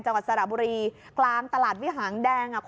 จังหวัดสระบุรีกลางตลาดวิหารแดง